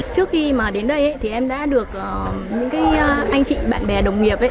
trước khi mà đến đây thì em đã được những anh chị bạn bè đồng nghiệp